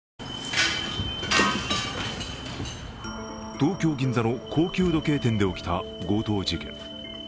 東京・銀座の高級時計店で起きた強盗事件。